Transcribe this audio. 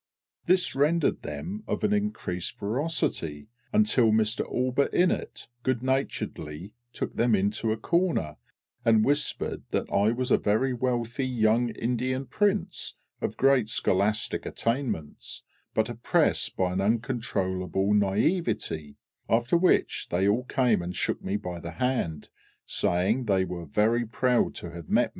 This rendered them of an increased ferocity, until Mr ALLBUTT INNETT good naturedly took them into a corner and whispered that I was a very wealthy young Indian Prince, of great scholastic attainments, but oppressed by an uncontrollable naïveté, after which they all came and shook me by the hand, saying they were very proud to have met me.